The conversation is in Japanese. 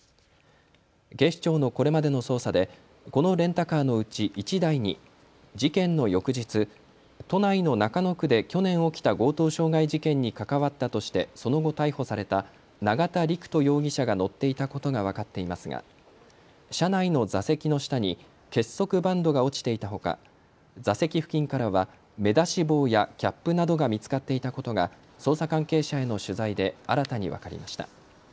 警視庁のこれまでの捜査でこのレンタカーのうち１台に事件の翌日、都内の中野区で去年起きた強盗傷害事件に関わったとして、その後逮捕された永田陸人容疑者が乗っていたことが分かっていますが車内の座席の下に結束バンドが落ちていたほか座席付近からは目出し帽やキャップなどが見つかっていたことが捜査関係者への取材で新たに分かりました。